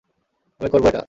আমি করবো এটা।